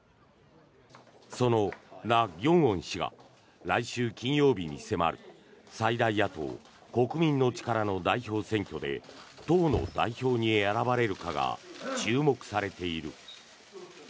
そのナ・ギョンウォン氏が来週金曜日に迫る最大野党・国民の力の代表選挙で党の代表に選ばれるかが注目されている。